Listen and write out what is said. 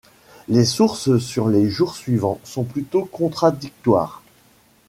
Les sources sur les jours suivants sont plutôt contradictoires.